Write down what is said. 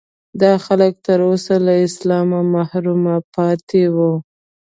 دا خلک تر اوسه له اسلامه محروم پاتې وو.